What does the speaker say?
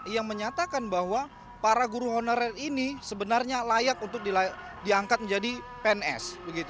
yang menyatakan bahwa para guru honorer ini sebenarnya layak untuk diangkat menjadi pns